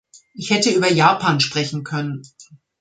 Ich hätte über Japan sprechen können.